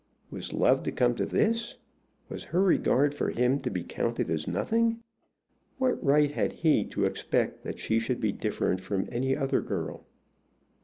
Was love to come to this? Was her regard for him to be counted as nothing? What right had he to expect that she should be different from any other girl?